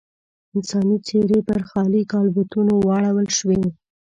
انساني څېرې پر خالي کالبوتونو واړول شوې.